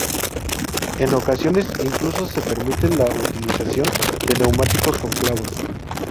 En ocasiones incluso se permite la utilización de neumáticos con clavos.